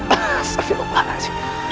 as aku lupa as